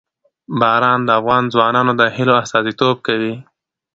باران د افغان ځوانانو د هیلو استازیتوب کوي.